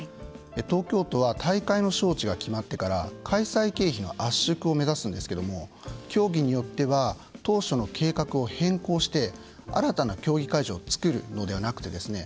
東京都は大会の招致が決まってから開催経費の圧縮を目指すんですけども競技によっては当初の計画を変更して新たな競技会場を造るのではなくてですね